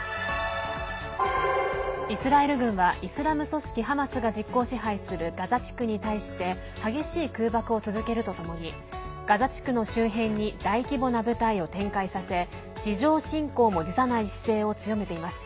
イスラエル軍はイスラム組織ハマスが実効支配するガザ地区に対して激しい空爆を続けるとともにガザ地区の周辺に大規模な部隊を展開させ地上侵攻も辞さない姿勢を強めています。